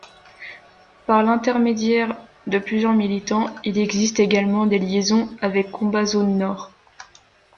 Par l'intermédiaire de plusieurs militants, il existe également des liaisons avec Combat Zone Nord.